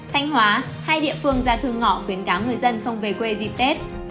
thanh hóa hai địa phương ra thư ngõ khuyến cáo người dân không về quê dịp tết